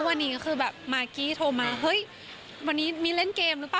บอกว่ามาบอกว่านี้มีเล่นเกมหรือเปล่า